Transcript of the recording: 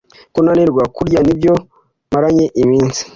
Kunanirwa kurya nibyo maranye iminsi